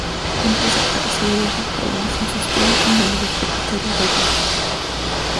La empresa padeció diversos problemas en su historia, cambiando de propietarios varias veces.